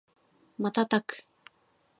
瞬く